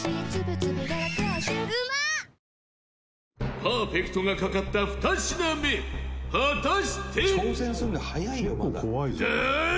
パーフェクトがかかった２品目果たして伊達：終わり？